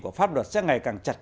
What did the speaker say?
của pháp luật sẽ ngày càng chặt